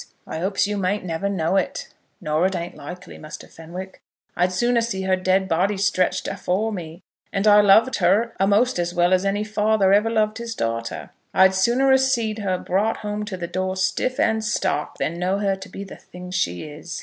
I hopes you mayn't never know it; nor it ain't likely. Muster Fenwick, I'd sooner see her dead body stretched afore me, and I loved her a'most as well as any father ever loved his da'ter, I'd sooner a see'd her brought home to the door stiff and stark than know her to be the thing she is."